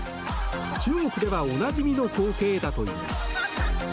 中国ではおなじみの光景だといいます。